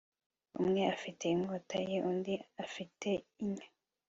Umwe afite inkota ye undi afite inyo